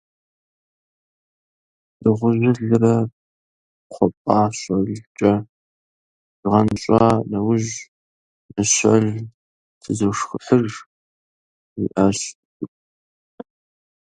- Дыгъужьылрэ кхъуэпӏащэлкӏэ зызгъэнщӏа нэужь, мыщэл тызошхыхьыж, - жиӏащ джэдум.